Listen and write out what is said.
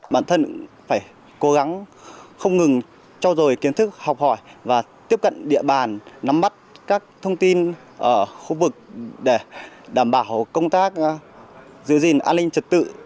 bản thân phải cố gắng không ngừng trao dồi kiến thức học hỏi và tiếp cận địa bàn nắm bắt các thông tin ở khu vực để đảm bảo công tác giữ gìn an ninh trật tự